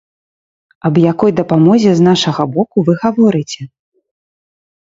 Аб якой дапамозе з нашага боку вы гаворыце?